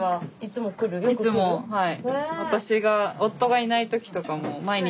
いつもはい。